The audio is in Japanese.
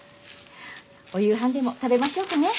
お夕飯でも食べましょうかね。